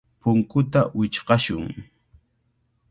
Punkuta wichqashun.